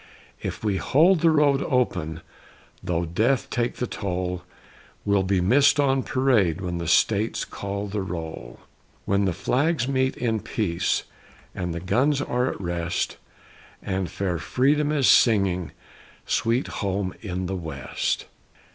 If we hold the road open, though Death take the toll, We'll be missed on parade when the States call the roll When the flags meet in peace and the guns are at rest, And fair Freedom is singing Sweet Home in the West.